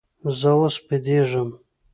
زه اوس بېدېږم.